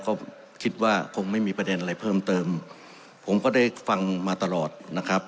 ก็คิดว่าคงไม่มีประเด็นอะไรเพิ่มเติมผมก็ได้ฟังมาตลอดนะครับ